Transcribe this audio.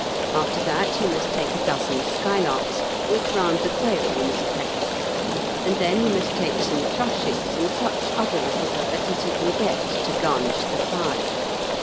After that you must take a dozen skylarks, which round the quail you must place; And then you must take some thrushes and such other little birds as you can get to garnish the pie.